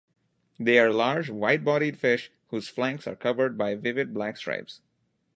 They are large, wide-bodied fish whose flanks are covered by vivid black stripes.